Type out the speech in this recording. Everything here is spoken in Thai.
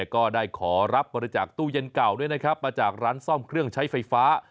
ก็ได้ขอรับบริจาคตู้เย็นเก่าด้วยนะครับมาจากร้านซ่อมเครื่องใช้ไฟฟ้า